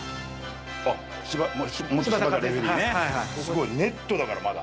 すごいＮＥＴだからまだ。